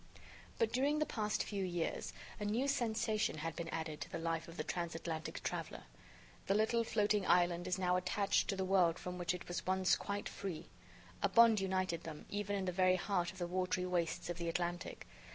But, during the past few years, a new sensation had been added to the life of the transatlantic traveler. The little floating island is now attached to the world from which it was once quite free. A bond united them, even in the very heart of the watery wastes of the Atlantic.